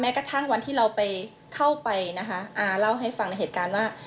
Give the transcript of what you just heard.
กระทั่งวันที่เราไปเข้าไปนะคะอาเล่าให้ฟังในเหตุการณ์ว่า